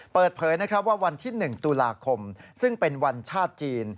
เปิดเผยว่าวันที่๑ตุลาคมซึ่งเป็นวันชาติจีน